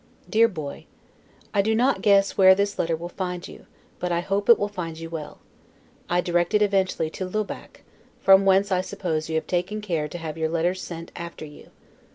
DEAR BOY: I do not guess where this letter will find you, but I hope it will find you well: I direct it eventually to Laubach; from whence I suppose you have taken care to have your letters sent after you.